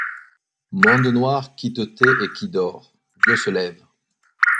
Monde noir qui te tais et qui dors ! Dieu se lève.